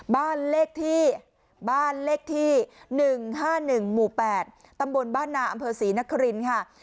บ้านเล็กที่๑๕๑รู๘ตำบลบ้านหนาอัมเภอศรีนคริมค่ะ